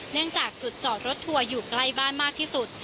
จากจุดจอดรถทัวร์อยู่ใกล้บ้านมากที่สุด